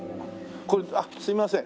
あっすいません。